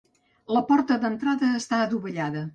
La porta d'entrada està adovellada.